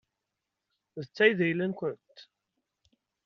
D ta i d ayla-nkent?